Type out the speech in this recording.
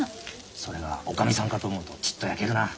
それがおかみさんかと思うとちっとやけるな。